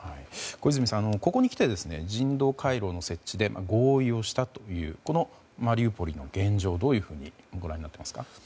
小泉さん、ここにきて人道回廊の設置で合意をしたというこのマリウポリの現状をどういうふうにご覧になっていますか？